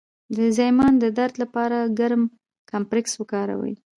د زایمان د درد لپاره ګرم کمپرس وکاروئ